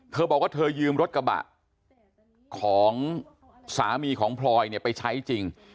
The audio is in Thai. เธอบอกว่าเธอยืมรถกระบะของสามีของพลอยเนี่ยไปใช้จริง